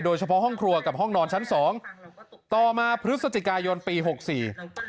โดยเฉพาะห้องครัวกับห้องนอนชั้นสองต่อมาพฤศจิกายนปีหกสี่